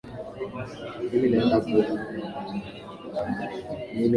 nyingi Wimbo huu ni ule uliopigwa na Mzee Yusuf uitwao Najiamini napendwa Kusema